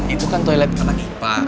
itu kan toilet anak ipa